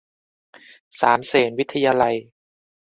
สามเสนวิทยาลัย